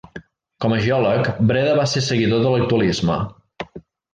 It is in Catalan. Com a geòleg, Breda va ser seguidor de l'actualisme.